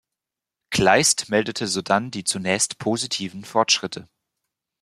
Kleist meldete sodann die zunächst positiven Fortschritte.